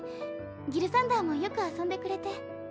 ギルサンダーもよく遊んでくれて。